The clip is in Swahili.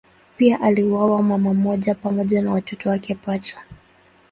Pia aliuawa mama mmoja pamoja na watoto wake pacha.